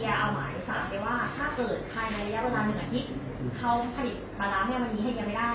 ถามไปว่าถ้าเกิดใครในระยะเวลา๑อาทิตย์เขาผลิตปาระแม่วันนี้ให้ยืมไม่ได้